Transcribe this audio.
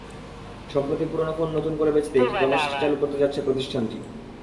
সম্প্রতি পুরোনো ফোন নতুন করে বেচতে একটি কর্মসূচি চালু করতে যাচ্ছে প্রতিষ্ঠানটি।